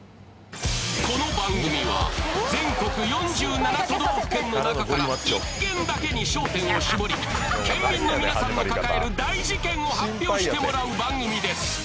この番組は全国４７都道府県の中から１県だけに焦点を絞り県民の皆さんの抱える大事ケンを発表してもらう番組です